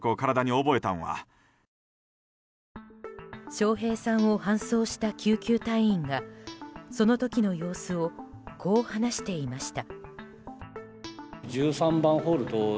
笑瓶さんを搬送した救急隊員がその時の様子をこう話していました。